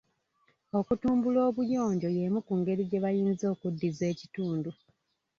Okutumbula obuyonjo y'emu ku ngeri gye bayinza okuddiza ekitundu.